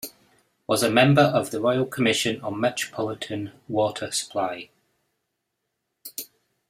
Was a member of the Royal Commission on Metropolitan Water Supply.